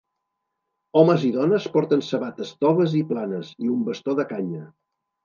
Homes i dones porten sabates toves i planes, i un bastó de canya.